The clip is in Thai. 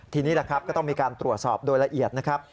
ทีนี้แหละครับก็ต้องมีการตรวจสอบโดยละเอียดนะครับ